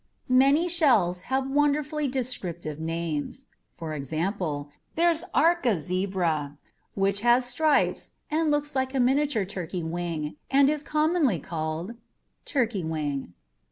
Many shells have wonderfully descriptive names. For example, there's ARCA ZEBRA, which has stripes and looks like a miniature turkey wing and is commonly called Turkey Wing.